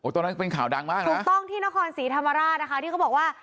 ตอนนั้นเป็นข่าวดังมากถูกต้องที่นครศรีธรรมราชนะคะที่เขาบอกว่า